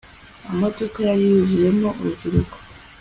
amaduka yari yuzuyemo urubyiruko